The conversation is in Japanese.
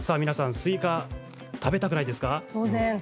スイカ、食べたくないですか。